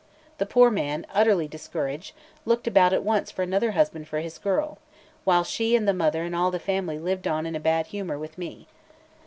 The poor man, utterly discouraged, looked about at once for another husband for his girl; while she and the mother and all the family lived on in a bad humour with me.